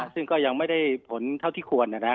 ซึ่งก็ยังไม่ได้ผลเท่าที่ควร